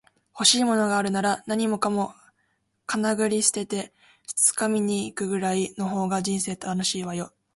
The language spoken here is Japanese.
欲しいものがあるなら、何もかもかなぐり捨てて掴みに行くぐらいの方が人生は楽しいわよ